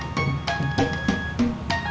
laluanti mohon lah bukakannya